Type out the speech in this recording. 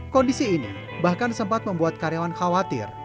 kondisi ini bahkan sempat membuat karyawan khawatir